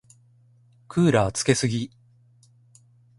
クーラーつけすぎ。